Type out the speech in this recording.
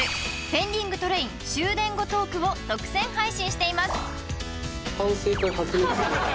「ペンディングトレイン終電後トーク」を独占配信しています